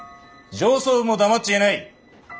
上層部も黙っちゃいない。